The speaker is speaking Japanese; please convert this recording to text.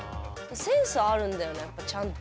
センスあるんだよなやっぱちゃんと。